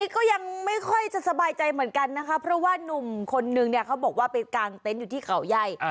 ก็ยังไม่ค่อยจะสบายใจเหมือนกันนะคะเพราะว่านุ่มคนนึงเนี่ยเขาบอกว่าไปกางเต็นต์อยู่ที่เขาใหญ่